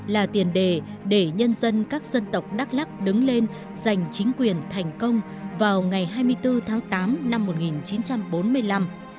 là tiền đề để nhân dân các dân tộc đắk lắc đứng lên giành chính quyền thành công vào ngày hai mươi bốn tháng tám năm một nghìn chín trăm bốn mươi năm